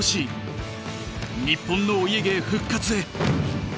日本のお家芸復活へ。